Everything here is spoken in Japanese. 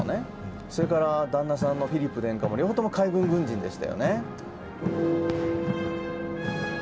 それから旦那様のフィリップ殿下も両方とも海軍軍人でしたね。